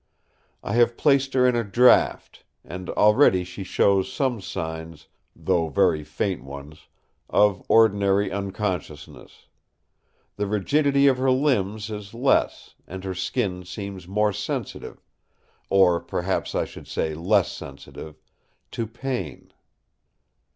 I have placed her in a draught; and already she shows some signs, though very faint ones, of ordinary unconsciousness. The rigidity of her limbs is less, and her skin seems more sensitive—or perhaps I should say less insensitive—to pain."